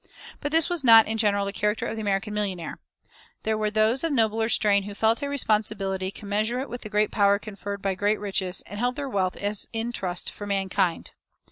But this was not in general the character of the American millionaire. There were those of nobler strain who felt a responsibility commensurate with the great power conferred by great riches, and held their wealth as in trust for mankind.